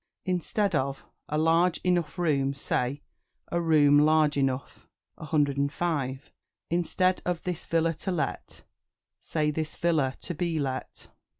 Instead of "A large enough room," say "A room large enough." 105. Instead of "This villa to let," say "This villa to be let."